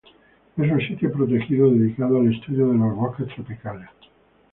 Es un sitio protegido dedicado al estudio de los bosques tropicales.